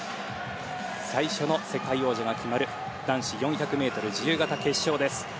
最初の世界王者が決まる男子４００ｍ自由形決勝です。